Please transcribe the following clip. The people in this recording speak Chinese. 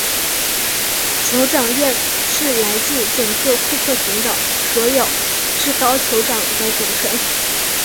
酋长院是来自整个库克群岛所有至高酋长的组成。